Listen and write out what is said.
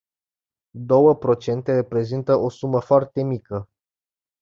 Două procente reprezintă o sumă foarte mică.